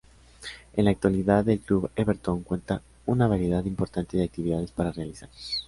En la actualidad el Club Everton cuenta una variedad importante de actividades para realizar.